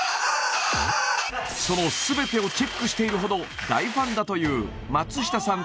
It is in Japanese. その全てをチェックしているほど大ファンだという松下さん